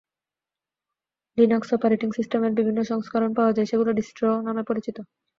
Linux operating সিস্টেমের বিভিন্ন সংস্করণ পাওয়া যায়, যেগুলো ডিস্ট্রো নামে পরিচিত।